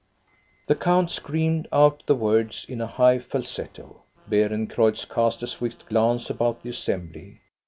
The count screamed out the words in a high falsetto. Beerencreutz cast a swift glance about the assembly.